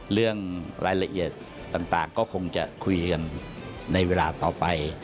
เรื่องรายละเอียดต่างก็คงจะคุยกันในเวลาต่อไป